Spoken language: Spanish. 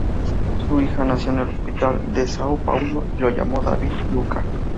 Su hijo nació en el Hospital de São Paulo y lo llamó David Lucca.